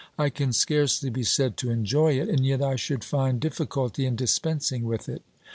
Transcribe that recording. I can scarcely be said to enjoy it, and yet I should find difficulty in dispensing with it.